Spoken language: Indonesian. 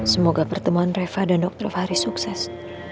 semoga pertemuan reva dan dr fahri sukses